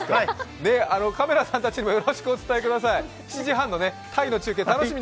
カメラさんたちにもよろしくお伝えください。